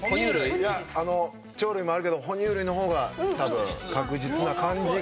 いや鳥類もあるけどほ乳類の方が多分確実な感じが。